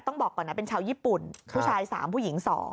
ต้องบอกก่อนนะเป็นชาวญี่ปุ่นผู้ชาย๓ผู้หญิง๒